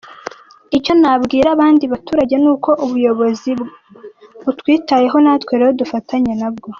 Icyo nabwira abandi baturage ni uko ubuyobozi butwitayeho natwe rero dufatanye na bwo.